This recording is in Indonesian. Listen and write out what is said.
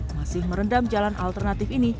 masih merendam jalan alternatif ini